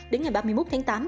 đến ngày ba mươi một tháng tám